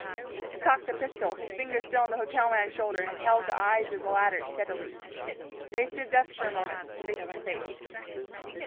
He cocked a pistol, his fingers still on the hotel man's shoulder, and held the eyes of the latter steadily. They stood thus for a moment, face to face.